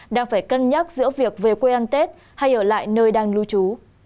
đang phải cân nhắc giữa việc về quê ăn tết hay ở lại nơi đang lưu trú